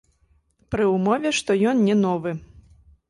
Пры ўмове, што ён не новы.